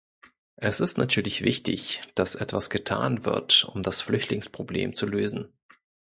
Es ist natürlich wichtig, das etwas getan wird, um das Flüchtlingsproblem zu lösen.